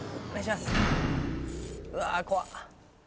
うわ怖っ。